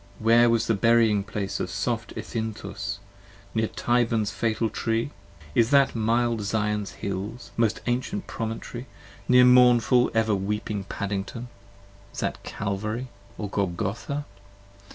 where was the burying place Of soft Ethinthus? near Tyburn's fatal Tree? is that Mild Zion's hills, most ancient promontory, near mournful 10 Ever weeping Paddington? is that Calvary and Golgotha?